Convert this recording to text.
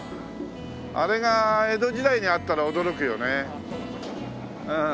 あれが江戸時代にあったら驚くよね。